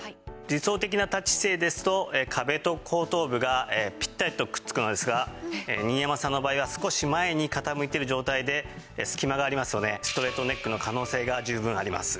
理想的な立ち姿勢ですと壁と後頭部がピッタリとくっつくのですが新山さんの場合は少し前に傾いている状態で隙間がありますのでストレートネックの可能性が十分あります。